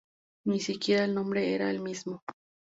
Ni siquiera el nombre era el mismo.